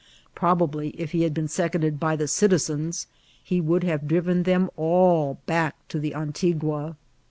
Probably, if he had been seconded by the citizens, he would have driven them all back to the Antigua.